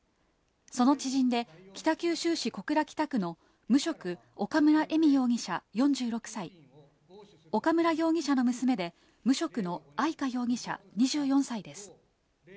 その知人で北九州市小倉北区の無職、岡村恵美容疑者４６歳、岡村容疑者の娘で無職の愛香容疑者２４歳です。